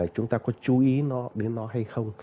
chúng ta có chú ý đến nó hay không